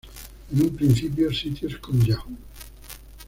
En un principio, sitios como Yahoo!